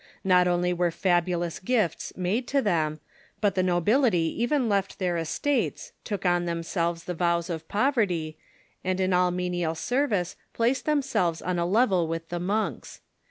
Not only were fabu lous gifts made to them, but the nobility even left their es tates, took on themselves the vows of poverty, and in all me nial service placed themselves on a level with the monks.